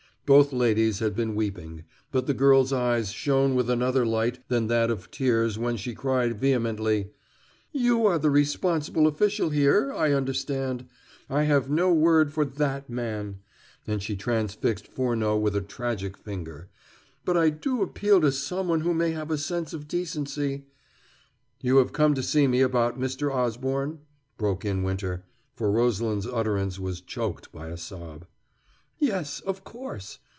Both ladies had been weeping, but the girl's eyes shone with another light than that of tears when she cried vehemently: "You are the responsible official here, I understand. I have no word for that man," and she transfixed Furneaux with a tragic finger, "but I do appeal to someone who may have a sense of decency " "You have come to see me about Mr. Osborne?" broke in Winter, for Rosalind's utterance was choked by a sob. "Yes, of course.